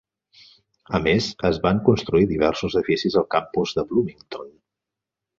A més, es van construir diversos edificis al campus de Bloomington.